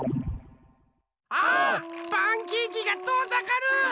パンケーキがとおざかる！